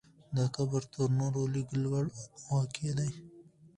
دا قبر تر نورو لږ لوړ واقع دی.